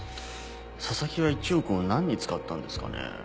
佐々木は１億を何に使ったんですかね？